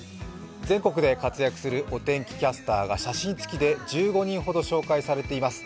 全国で活躍するお天気キャスターが写真付きで１５人ほど紹介されています。